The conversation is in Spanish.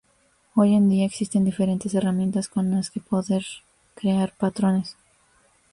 Hoy en día existen diferentes herramientas con las que poder crear patrones.